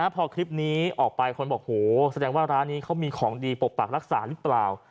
พอคลิปนี้ออกไปคนบอกโหแสดงว่าร้านนี้เขามีของดีปกปักรักษาหรือเปล่า